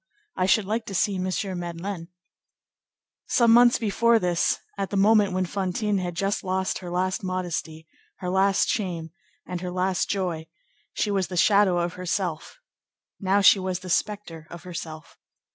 I should like to see M. Madeleine." Some months before this, at the moment when Fantine had just lost her last modesty, her last shame, and her last joy, she was the shadow of herself; now she was the spectre of herself.